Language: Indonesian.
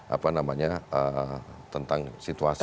apa namanya tentang situasi